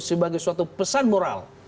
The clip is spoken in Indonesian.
sebagai suatu pesan moral